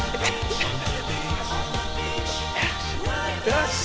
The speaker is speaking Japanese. よし！